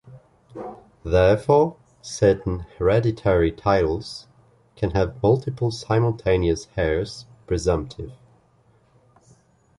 Therefore, certain hereditary titles can have multiple simultaneous heirs presumptive.